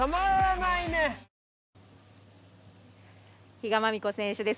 比嘉真美子選手です。